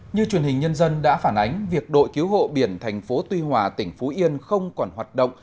như truyền hình nhân dân đã phản ánh việc đội cứu hộ biển thành phố tuy hòa tỉnh phú yên không còn hoạt động